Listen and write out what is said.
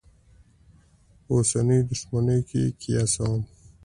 پر اوسنیو دوښمنیو یې قیاسوم.